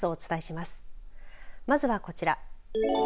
まずはこちら。